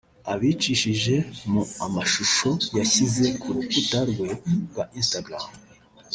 Abicishije mu amashuho yashyize ku rukuta rwe rwa Instagram